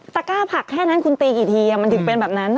ก้าผักแค่นั้นคุณตีกี่ทีมันถึงเป็นแบบนั้น